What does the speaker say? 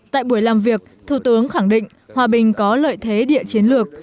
tại buổi làm việc thủ tướng khẳng định hòa bình có lợi thế địa chiến lược